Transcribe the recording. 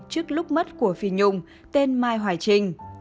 trước lúc mất của phi nhung tên mai hoài trình